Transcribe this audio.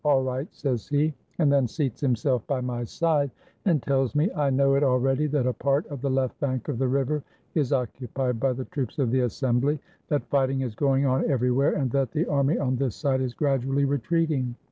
''All right," says he; and then seats himself by my side, and tells me, "I know it already, that a part of the left bank of the river is occupied by the troops of the Assembly, that fighting is going on everywhere, and that the army on this side is gradually retreat ing.